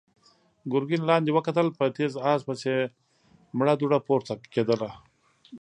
ګرګين لاندې وکتل، په تېز آس پسې مړه دوړه پورته کېدله.